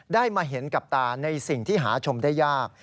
ได้มาเห็นกับตาในสิ่งที่หาชมได้ยาก